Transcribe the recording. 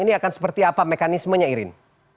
ini akan seperti apa mekanismenya irin